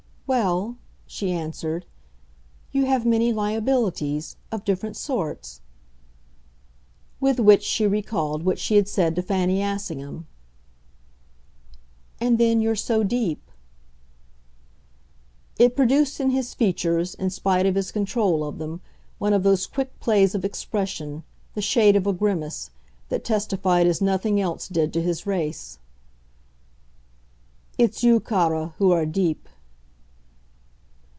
"Well," she answered, "you have many liabilities of different sorts." With which she recalled what she had said to Fanny Assingham. "And then you're so deep." It produced in his features, in spite of his control of them, one of those quick plays of expression, the shade of a grimace, that testified as nothing else did to his race. "It's you, cara, who are deep."